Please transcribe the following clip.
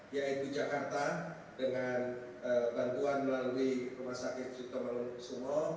yaitu jakarta dengan bantuan melalui rumah sakit ciptoa mangun kusumo